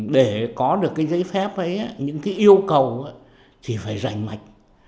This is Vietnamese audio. để có được cái giấy phép ấy những cái yêu cầu thì phải rảnh mạch